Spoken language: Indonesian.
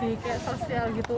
jadi lebih sosial gitu